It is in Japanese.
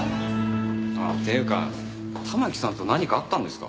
あっっていうか環さんと何かあったんですか？